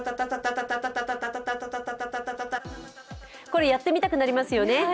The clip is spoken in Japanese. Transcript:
これ、やってみたくなりますよね。